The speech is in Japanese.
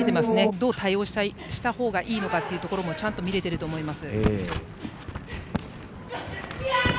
どう対応したほうがいいのかちゃんと見れていると思います。